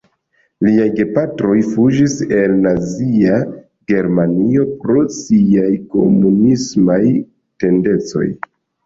Liaj gepatroj fuĝis el Nazia Germanio pro siaj komunismaj tendencoj.